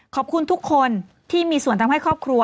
ขอบคุณทุกคนที่มีส่วนทำให้ครอบครัว